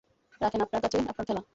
রাখেন আপনার কাছে আপনার খেলা।